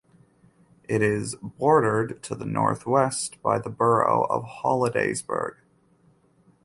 It is bordered to the northwest by the borough of Hollidaysburg.